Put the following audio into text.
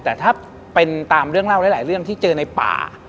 แต่ถ้าเป็นตามเรื่องเล่าหลายเรื่องที่เจอในป่า